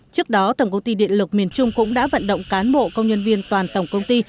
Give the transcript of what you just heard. trước đó tổng công ty điện lực miền trung cũng đã vận động cán bộ công nhân viên toàn tổng công ty